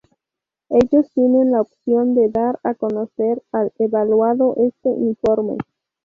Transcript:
Ellos tienen la opción de dar a conocer al evaluado este informe.